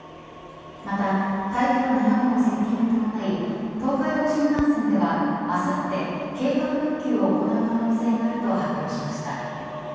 また、台風７号の接近に伴い東海道新幹線ではあさって計画運休を行う可能性があると発表しました。